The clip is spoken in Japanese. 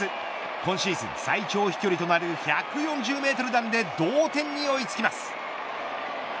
今シーズン最長飛距離となる１４０メートル弾で同点に追いつきます。